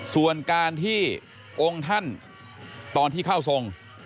ส่วนการที่องค์ท่านตอนที่เข้าทรง